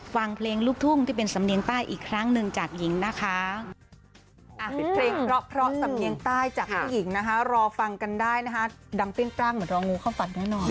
ฟังเพลงลูกทุ่งที่เป็นสำเนียงใต้อีกครั้งหนึ่งจากหญิงนะคะ